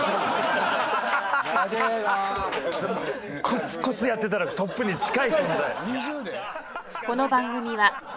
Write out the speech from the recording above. コツコツやってたらトップに近い存在。